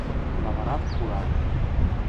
лавыра-пурак